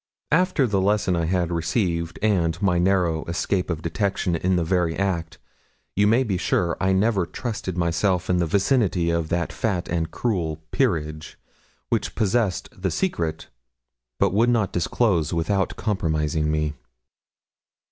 After the lesson I had received, and my narrow escape of detection in the very act, you may be sure I never trusted myself in the vicinity of that fat and cruel 'Peerage,' which possessed the secret, but would not disclose without compromising me.